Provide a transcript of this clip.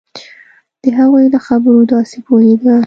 د هغوی له خبرو داسې پوهېده.